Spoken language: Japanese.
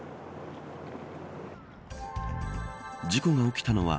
事故が起きたのは